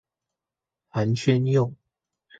寒暄用